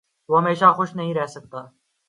وہ ہمیشہ خوش نہیں رہ سکتا